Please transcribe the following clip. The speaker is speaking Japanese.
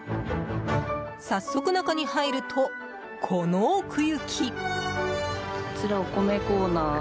早速、中に入ると、この奥行き！